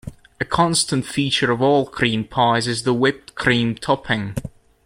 A constant feature of all cream pies is the whipped cream topping.